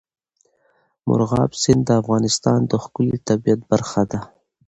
مورغاب سیند د افغانستان د ښکلي طبیعت برخه ده.